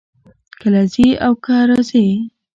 کۀ ځي او کۀ راځي